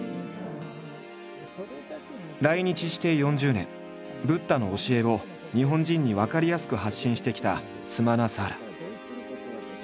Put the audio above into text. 来日して４０年ブッダの教えを日本人に分かりやすく発信してきたスマナサーラ。